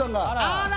あら！